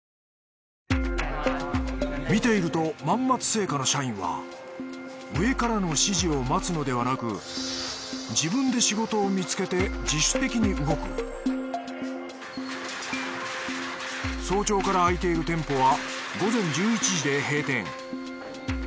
見ていると万松青果の社員は上からの指示を待つのではなく自分で仕事を見つけて自主的に動く早朝から開いている店舗は午前１１時で閉店。